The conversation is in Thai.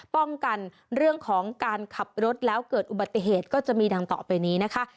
ป้องกันเรื่องของการขับรถแล้วเกิดอุบัติเหตุก็จะมีดังต่อไปนี้นะคะ